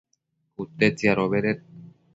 cute tsiadobeded